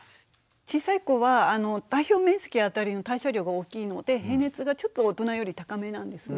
小さい子は体表面積あたりの代謝量が大きいので平熱がちょっと大人より高めなんですね。